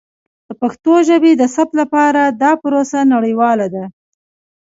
د پښتو ژبې د ثبت لپاره دا پروسه نړیواله ده.